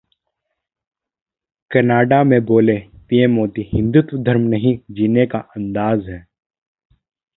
Canada में बोले PM Modi, 'Hindutva धर्म नहीं, जीने का अंदाज है'